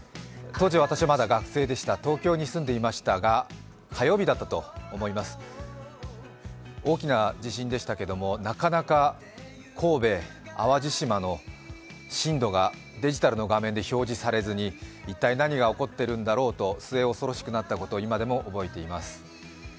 当時私はまだ学生でした、東京に住んでいましたが、火曜日だったと思います大きな地震でしたけどなかなか神戸、淡路島の震度がデジタルの画面で表示されずに一体何が起こっているんだろうと末恐ろしくなったことを今でも覚えています。